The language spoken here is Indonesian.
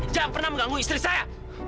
jangan pernah mengganggu istri saya